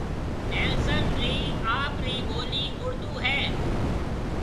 نيلسن رِي آپرِي ٻولِي اُردو ھيََََ